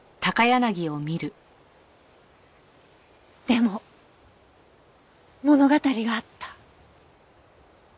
でも物語があった。